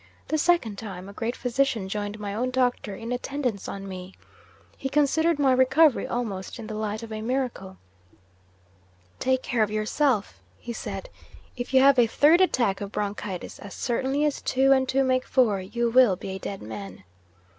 The second time, a great physician joined my own doctor in attendance on me. He considered my recovery almost in the light of a miracle. Take care of yourself," he said. "If you have a third attack of bronchitis, as certainly as two and two make four, you will be a dead man.